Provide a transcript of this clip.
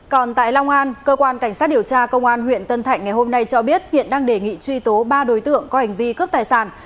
còn tại long an cơ quan cảnh sát điều tra công an huyện tân thạnh ngày hôm nay cho biết hiện đang đề nghị truy tố ba đối tượng có hành vi cướp tài sản